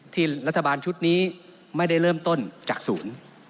ที่รัฐบาลชุดนี้ไม่ได้เริ่มต้นจากศูนย์